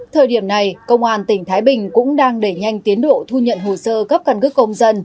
thời điểm này công an tỉnh thái bình cũng đang đẩy nhanh tiến độ thu nhận hồ sơ cấp căn cứ công dân